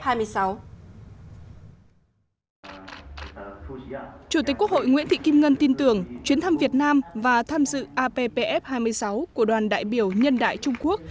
chủ tịch quốc hội nguyễn thị kim ngân tin tưởng chuyến thăm việt nam và tham dự appf hai mươi sáu của đoàn đại biểu nhân đại trung quốc